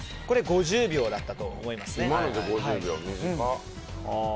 ５０秒だったと思います。